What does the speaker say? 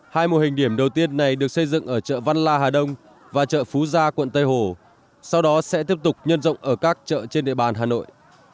hai mô hình điểm đầu tiên này được xây dựng ở chợ văn la hà đông và chợ phú gia quận tây hồ sau đó sẽ tiếp tục nhân rộng ở các chợ trên địa bàn hà nội